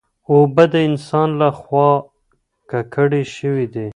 اوبه د انسان له خوا ککړې شوې دي.